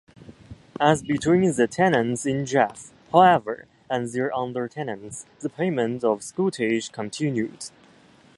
As between the tenants-in-chief, however, and their under-tenants, the payment of scutage continued.